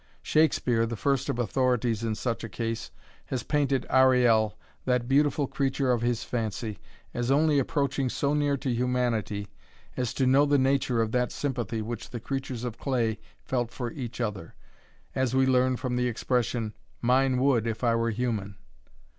Shakespeare, the first of authorities in such a case, has painted Ariel, that beautiful creature of his fancy, as only approaching so near to humanity as to know the nature of that sympathy which the creatures of clay felt for each other, as we learn from the expression "Mine would, if I were human."